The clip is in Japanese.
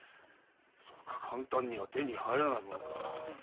そうか簡単には手に入らないものか。